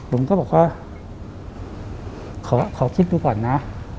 ผมก็บอกว่าขอคิดดูก่อนนะ